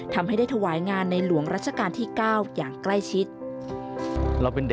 ทำให้ได้ถวายงานในหลวงรัชกาลที่๙อย่างใกล้ชิด